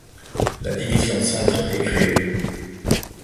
La division Centre est créée.